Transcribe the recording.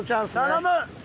頼む！